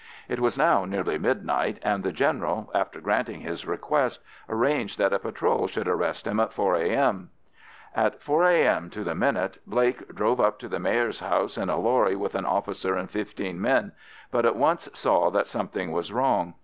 It was now nearly midnight, and the General, after granting his request, arranged that a patrol should arrest him at 4 A.M. At 4 A.M. to the minute Blake drove up to the Mayor's house in a lorry with an officer and fifteen men, but at once saw that something was wrong.